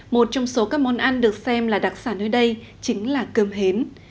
một trong số các món ăn được xem là đặc sản nơi đây chính là cơm hến